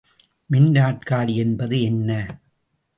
மின் நாற்காலி என்பது என்ன?